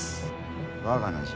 我が名じゃ。